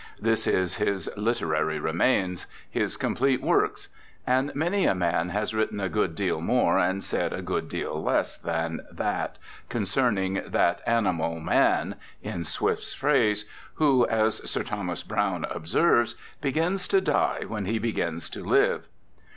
That is his "literary remains," his "complete works." And many a man has written a good deal more and said a good deal less than that concerning that "animal, man" (in Swift's phrase), who, as Sir Thomas Browne observes, "begins to die when he begins to live."